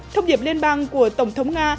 thông điệp liên bang của tổng thống nga